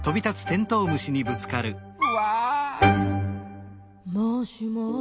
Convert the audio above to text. うわ！